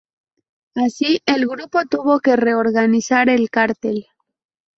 Así, el grupo tuvo que reorganizar el cartel.